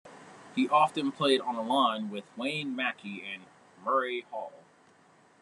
He often played on a line with Wayne Maki and Murray Hall.